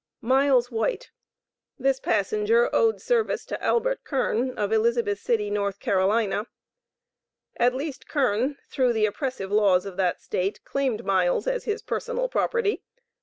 MILES WHITE. This passenger owed service to Albert Kern, of Elizabeth City, N.C. At least Kern, through the oppressive laws of that State, claimed Miles as his personal property.